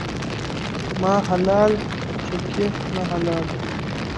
ما حلال ، چکي نه حلال.